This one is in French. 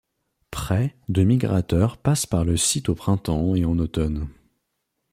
Près de migrateurs passent par le site au printemps et en automne.